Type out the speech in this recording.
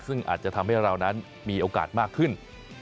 ซึ่งอาจจะทำให้เรานั้นมีโอกาสมากขึ้น